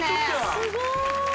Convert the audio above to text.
すごーい